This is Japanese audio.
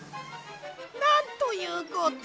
なんということ。